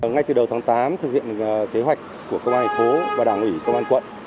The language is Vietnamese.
ngay từ đầu tháng tám thực hiện kế hoạch của công an thành phố và đảng ủy công an quận